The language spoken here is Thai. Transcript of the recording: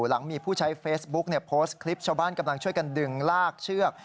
หลังมีผู้ใช้เฟซบุ๊กโพสต์คลิปชาวบ้านกำลังช่วยกันดึงลากเชือก